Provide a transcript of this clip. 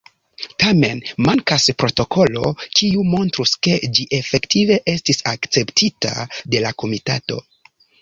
Tamen mankas protokolo kiu montrus, ke ĝi efektive estis akceptita de la komitato.